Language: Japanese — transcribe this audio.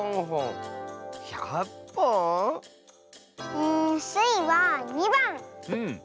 うんスイは２ばん！